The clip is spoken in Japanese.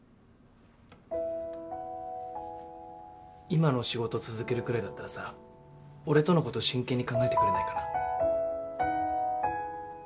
今の仕事続けるくらいだったらさ俺とのこと真剣に考えてくれないかな。